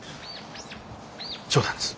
冗談です。